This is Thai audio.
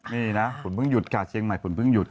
นี่นะฝนเท่ายุทธ์ขาเชียงใหม่ฝนเท่ายุทธ์